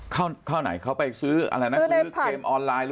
เข้าไหนเขาไปซื้ออะไรนะซื้อเกมออนไลน์